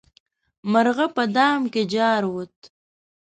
مرغه په دام کې جارووت.